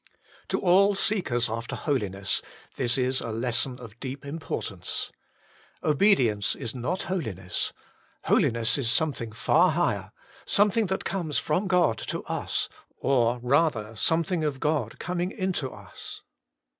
To all seekers after holiness this is a lesson of deep importance. Obedience is not holiness ; holiness is something far higher, something that comes from God to us, or rather, something of God coming into us.